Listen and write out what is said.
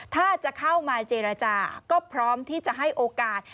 ถ้าจะเข้ามาเจรจาก็พร้อมที่จะให้โอกาส